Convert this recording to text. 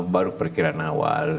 baru perkiraan awal